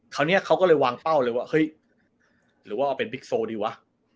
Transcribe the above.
คราวนี้เขาก็เลยวางเป้าเลยว่าเฮ้ยหรือว่าเป็นบิ๊กโซดีวะ